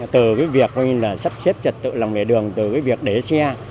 từ cái việc xếp trật tự lòng đề đường từ cái việc để xe